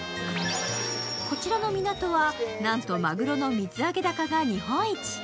こちらの港は、なんとマグロの水揚げ高が日本一。